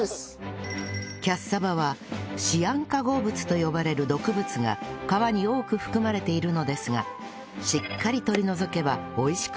キャッサバはシアン化合物と呼ばれる毒物が皮に多く含まれているのですがしっかり取り除けば美味しく味わえるんです